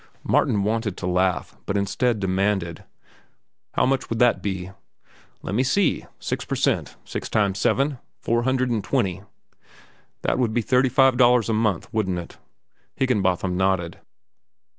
Martin wanted to laugh, but, instead, demanded: "How much would that be?" "Lemme see. Six per cent—six times seven—four hundred an' twenty." "That would be thirty five dollars a month, wouldn't it?" Higginbotham nodded.